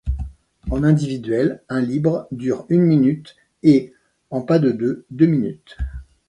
En individuel, un libre dure une minute, et, en pas-de-deux, deux minutes.